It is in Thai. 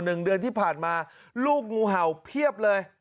หนึ่งเดือนที่ผ่านมาลูกงูเห่าเพียบเลย